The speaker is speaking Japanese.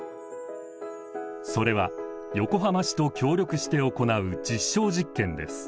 それは横浜市と協力して行う実証実験です。